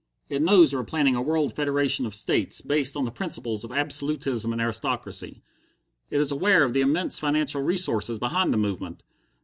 It knows you are planning a world federation of states, based on the principles of absolutism and aristocracy. It is aware of the immense financial resources behind the movement.